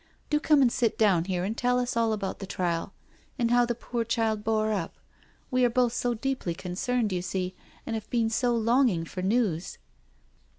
Do come and sit down here and tell us all about the trial, and how the poor child bore gp — we are both so deeply concerned, you see, and have been so longing for news."